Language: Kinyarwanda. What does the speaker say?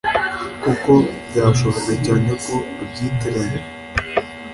kuko byashoboka cyane ko abyitiranya.